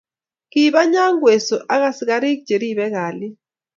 Kibak Nyongweso ak askariik che ribei kalyee.